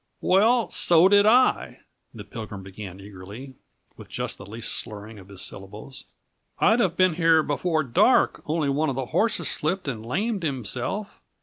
"Well, so did I," the Pilgrim began eagerly, with just the least slurring of his syllables. "I'd have been here before dark, only one of the horses slipped and lamed himself.